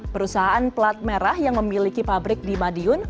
perusahaan plat merah yang memiliki pabrik di madiun